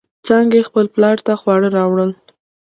څانگې خپل پلار ته خواړه راوړل.